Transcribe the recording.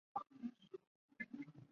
隋文帝开皇三年废龙亢郡。